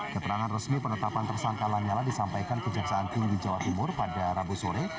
keterangan resmi penetapan tersangka lanyala disampaikan kejaksaan tinggi jawa timur pada rabu sore